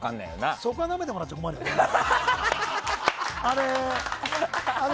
そこはなめてもらっちゃ困るよ。